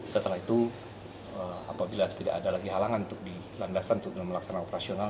setelah itu apabila tidak ada lagi halangan untuk di landasan untuk melaksanakan operasional